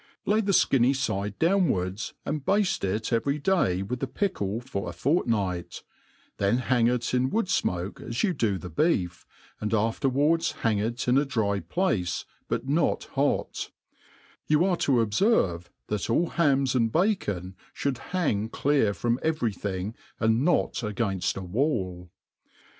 Lay the fkinny fide downwards, and bafte it every day with the pickle for a fortnight ; then hang it in wood (ino]ce at you do the beef, and afterwards h^ng it in « dry place, bnt not hot» You are to obferve, that all hams and bacon (bould hang clear from every thing,, and not 9gainft a wall.